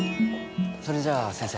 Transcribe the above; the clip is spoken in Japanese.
それじゃ先生。